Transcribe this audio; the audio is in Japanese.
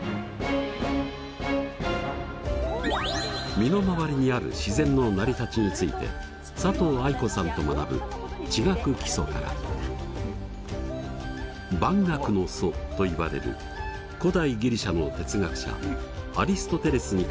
身の回りにある自然の成り立ちについて佐藤藍子さんと学ぶ「地学基礎」から万学の祖といわれる古代ギリシアの哲学者アリストテレスに関する問題。